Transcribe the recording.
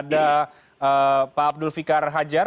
ada pak abdul fikar hajar